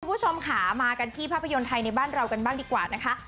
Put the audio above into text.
คุณผู้ชมค่ะมากันที่ภาพยนตร์ไทยในบ้านเรากันบ้างดีกว่านะคะ